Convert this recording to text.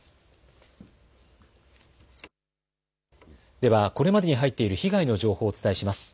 ではこれまでに入っている被害の情報をお伝えします。